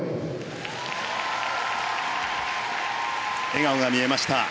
笑顔が見えました。